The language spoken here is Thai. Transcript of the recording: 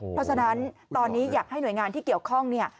เพราะฉะนั้นตอนนี้อยากให้หน่วยงานที่เกี่ยวข้องเนี่ย